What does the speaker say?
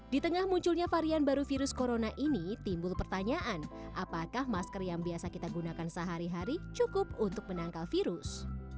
di tengah munculnya varian baru virus corona ini timbul pertanyaan apakah masker yang biasa kita gunakan sehari hari cukup untuk menangkal virus